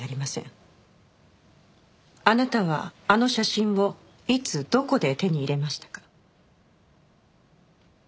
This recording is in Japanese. あなたはあの写真をいつどこで手に入れましたか？